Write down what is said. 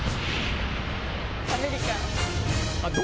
アメリカン！